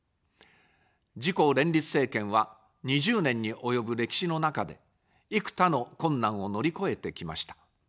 自公連立政権は、２０年に及ぶ歴史の中で、幾多の困難を乗り越えてきました。